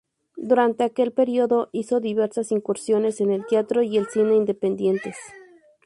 Durante aquel periodo, hizo diversas incursiones en el teatro y el cine independientes.